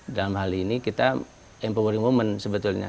dalam hal ini kita empowering women sebetulnya